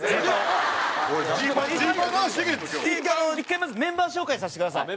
１回まずメンバー紹介させてください。